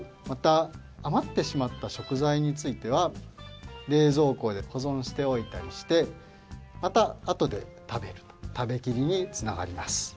またあまってしまったしょくざいについてはれいぞうこでほぞんしておいたりしてまたあとで食べると食べキリにつながります。